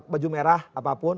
baju merah apapun